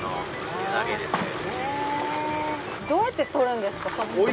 どうやって取るんですか？